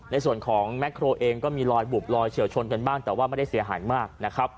ในส่วนของแม็กโครเองก็มีรอยบุบลอยเฉียวชนกันบ้างแต่ว่าไม่ได้เสียหายมากนะครับ